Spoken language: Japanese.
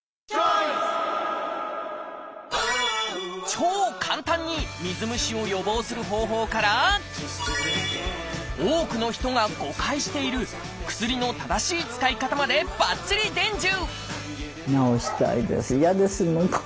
超簡単に水虫を予防する方法から多くの人が誤解している薬の正しい使い方までばっちり伝授！